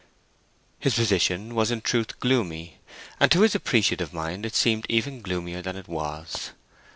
His position was in truth gloomy, and to his appreciative mind it seemed even gloomier than it was.